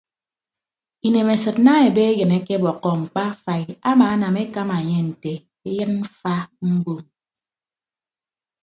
Inemesịd daña ebe eyịn akebọkkọ mkpa afai amaanam ekama enye nte eyịn mfa mbom.